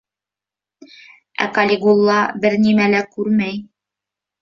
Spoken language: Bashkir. Ә Калигула бер нимә лә күрмәй.